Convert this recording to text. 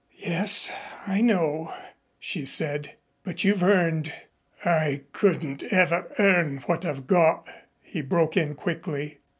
"Yes, I know," she said. "But you've earned " "I couldn't ever earn what I've got," he broke in quickly.